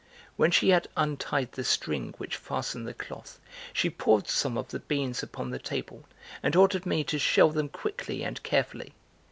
When she had untied the string which fastened the cloth, she poured some of the beans upon the table and ordered me to shell them quickly and carefully.